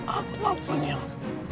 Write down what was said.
apa pun yang